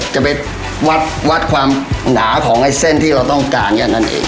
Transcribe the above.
จะไปวัดความหนาของไอ้เส้นที่เราต้องการแค่นั้นเอง